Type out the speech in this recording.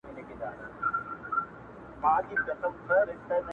دا څرګندوي چې افغانان